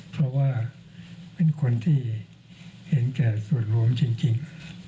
เพราะว่าเป็นคนที่เห็นแก่ส่วนรวมจริง